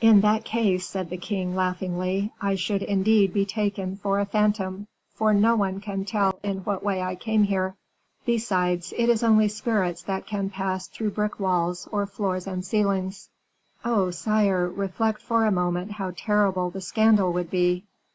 "In that case," said the king, laughingly, "I should indeed be taken for a phantom, for no one can tell in what way I came here. Besides, it is only spirits that can pass through brick walls, or floors and ceilings." "Oh, sire, reflect for a moment how terrible the scandal would be!